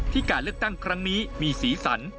การเลือกตั้งครั้งนี้มีสีสัน